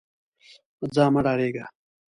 ځه مه ډارېږه.